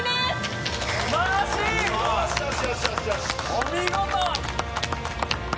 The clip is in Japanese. お見事！